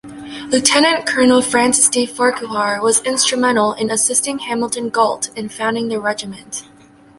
Lieutenant-Colonel Francis D. Farquhar was instrumental in assisting Hamilton Gault in founding the regiment.